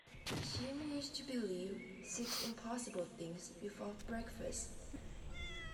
She managed to believe six impossible things before breakfast